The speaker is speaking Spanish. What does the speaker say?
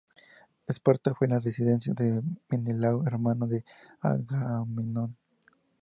Esparta fue la residencia de Menelao, hermano de Agamenón.